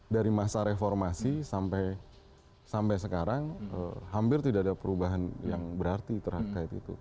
dari masa reformasi sampai sekarang hampir tidak ada perubahan yang berarti terkait itu